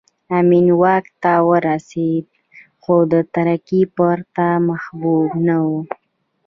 امین واک ته ورسېد خو د ترکي په پرتله محبوب نه و